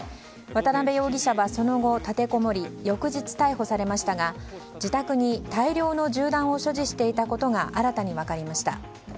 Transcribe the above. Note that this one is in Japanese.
渡辺容疑者はその後立てこもり翌日逮捕されましたが自宅に大量の銃弾を所持していたことが新たに分かりました。